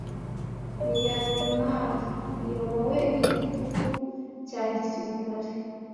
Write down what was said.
Miyanimari iyobowe nigitugu cya gisirikare.